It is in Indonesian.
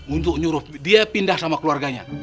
untuk nyuruh dia pindah sama keluarganya